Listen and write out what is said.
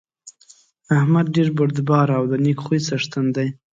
احمد ډېر بردباره او د نېک خوی څېښتن دی.